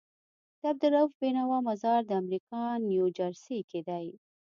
د عبدالروف بينوا مزار دامريکا نيوجرسي کي دی